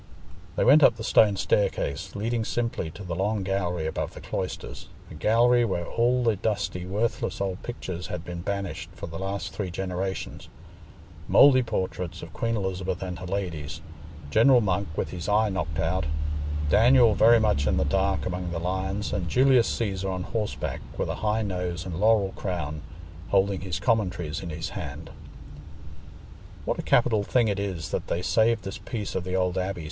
They went up the stone staircase leading simply to the long gallery above the cloisters, a gallery where all the dusty worthless old pictures had been banished for the last three generations—mouldy portraits of Queen Elizabeth and her ladies, General Monk with his eye knocked out, Daniel very much in the dark among the lions, and Julius Cæsar on horseback, with a high nose and laurel crown, holding his Commentaries in his hand. "What a capital thing it is that they saved this piece of the old abbey!"